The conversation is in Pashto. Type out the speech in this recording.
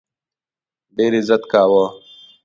ډېر عزت کاوه.